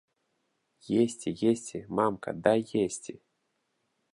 Есці, есці, мамка, дай есці!